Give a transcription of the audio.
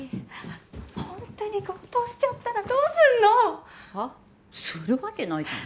本当に強盗しちゃったらどうすんの！？は？するわけないじゃん。